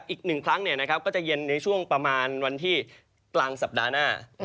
อีก๑ครั้งก็จะเย็นในช่วงประมาณวันที่กลางสัปดาห์หน้า